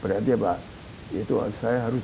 berarti apa itu saya harus